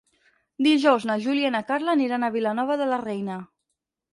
Dijous na Júlia i na Carla aniran a Vilanova de la Reina.